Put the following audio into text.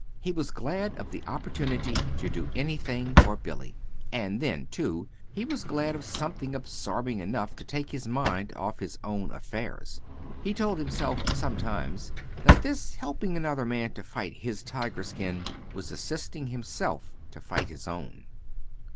He was glad of the opportunity to do anything for Billy; and then, too, he was glad of something absorbing enough to take his mind off his own affairs. He told himself, sometimes, that this helping another man to fight his tiger skin was assisting himself to fight his own.